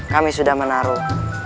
kami sudah menaruh